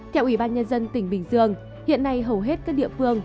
theo ủy ban nhân dân tỉnh bình dương hiện nay hầu hết các địa phương